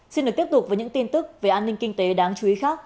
xin được tiếp tục với những tin tức về an ninh kinh tế đáng chú ý khác